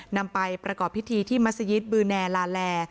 นำไปประกอบพิธีที่มัศยิตบือแนลาแล